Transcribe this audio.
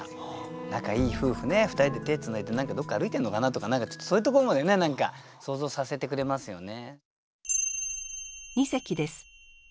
仲いい夫婦ねふたりで手つないで何かどっか歩いてんのかなとかちょっとそういうところまでね想像させてくれますよね。